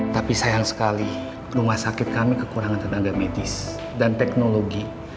tapi sayang sekali rumah sakit kami kekurangan tenaga medis dan teknologi